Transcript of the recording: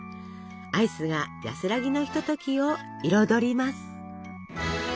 アイスが安らぎのひとときを彩ります。